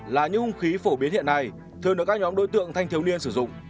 là những hung khí phổ biến hiện nay thường được các nhóm đối tượng thanh thiếu niên sử dụng